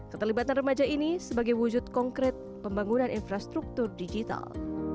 keterlibatan remaja ini sebagai wujud konkret pembangunan infrastruktur digital